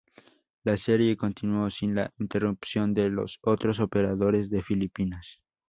La serie continuó sin la interrupción de los otros operadores de Filipinas.